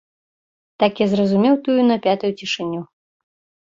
Так я зразумеў тую напятую цішыню.